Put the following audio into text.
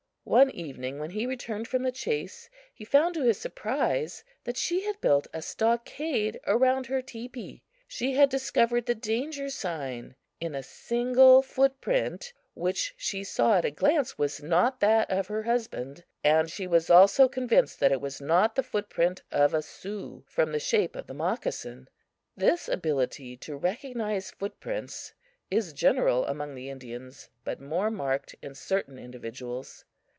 One evening, when he returned from the chase, he found to his surprise that she had built a stockade around her teepee. She had discovered the danger sign in a single foot print, which she saw at a glance was not that of her husband, and she was also convinced that it was not the foot print of a Sioux, from the shape of the moccasin. This ability to recognize footprints is general among the Indians, but more marked in certain individuals.